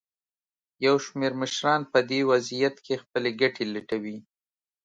یو شمېر مشران په دې وضعیت کې خپلې ګټې لټوي.